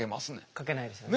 かけないですよね。